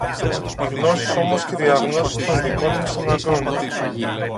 Οι γνώσεις όμως και οι διαγνώσεις των δικών μας αναγκών